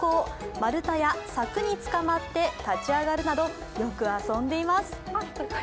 丸太や柵につかまって立ち上がるなどよく遊んでいます。